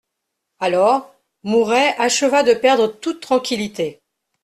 Alors, Mouret acheva de perdre toute tranquillité.